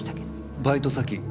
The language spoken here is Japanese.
バイト先？